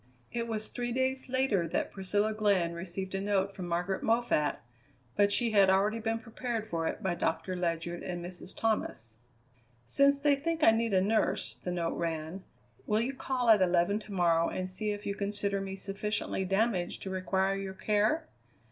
It was three days later that Priscilla Glenn received a note from Margaret Moffatt, but she had already been prepared for it by Doctor Ledyard and Mrs. Thomas. "Since they think I need a nurse," the note ran, "will you call at eleven to morrow and see if you consider me sufficiently damaged to require your care?